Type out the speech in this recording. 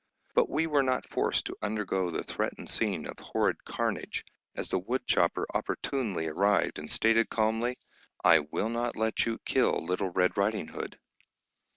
But we were not forced to undergo the threatened scene of horrid carnage, as the woodchopper opportunely arrived, and stated calmly, "I will not let you kill Little Red Riding Hood."